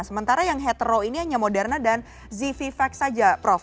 sementara yang hetero ini hanya moderna dan zivivax saja prof